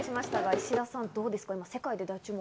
石田さん、どうでした？